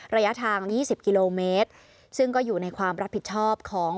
ระยะทาง๒๐กิโลเมตรซึ่งก็อยู่ในความรับผิดชอบของ